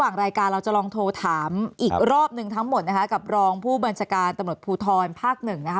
ทั้งหมดนะครับกับรองผู้บรรชการตะหมดภูทรภาค๑นะครับ